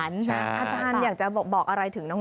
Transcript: อาจารย์อยากจะบอกอะไรถึงน้อง